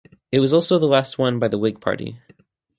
It was also the last won by the Whig Party.